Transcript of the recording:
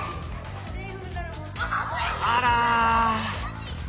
あら。